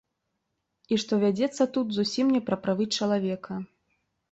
І што вядзецца тут зусім не пра правы чалавека.